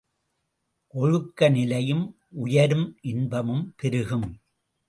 ஒழுக்க நிலையும் உயரும் இன்பமும் பெருகும்.